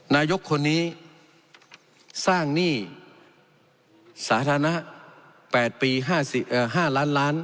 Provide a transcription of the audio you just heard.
นายกคนนี้สร้างหนี้สาธารณะ๘ปี๕ล้านล้าน